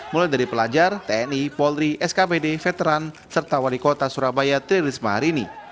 mulai dari pelajar tni polri skbd veteran serta wali kota surabaya tririsma harini